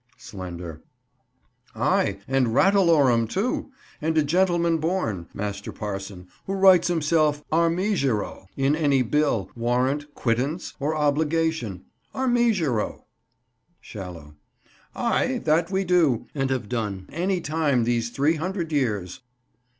Slender. Ay and ratalorum, too; and a gentleman born, master parson, who writes himself, armigero, in any bill, warrant, quittance, or obligation, armigero. Shallow. Ay, that we do, and have done any time these three hundred years.